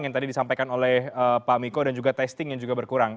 yang tadi disampaikan oleh pak miko dan juga testing yang juga berkurang